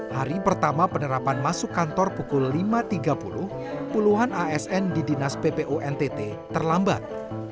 hari pertama penerapan masuk kantor pukul lima tiga puluh puluhan asn di dinas ppu ntt terlambat